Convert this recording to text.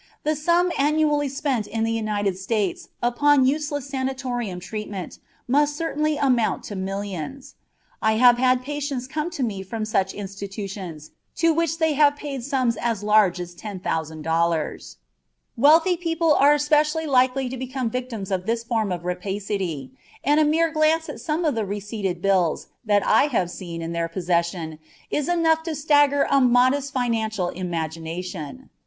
The sum annually spent in the United States upon useless sanatorium treatment must certainly amount to millions. I have had patients come to me from such institutions to which they had paid sums as large as $10,000. Wealthy people are specially likely to become victims of this form of rapacity, and a mere glance at some of the receipted bills that I have seen in their possession is enough to stagger a modest financial imagination.